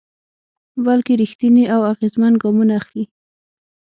بلکې رېښتيني او اغېزمن ګامونه اخلي.